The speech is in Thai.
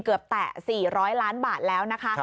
แตะ๔๐๐ล้านบาทแล้วนะคะ